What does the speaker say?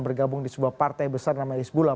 bergabung di sebuah partai besar namanya isbullah